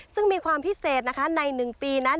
ซึ่งมีความพิเศษนะคะใน๑ปีนั้น